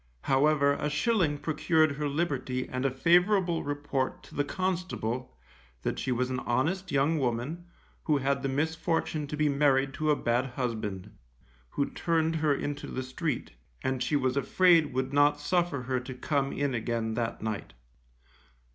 However, a shilling procured her liberty and a favourable report to the constable that she was an honest young woman, who had the misfortune to be married to a bad husband, who turned her into the street, and she was afraid would not suffer her to come in again that night.